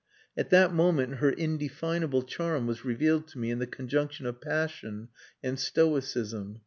At that moment her indefinable charm was revealed to me in the conjunction of passion and stoicism.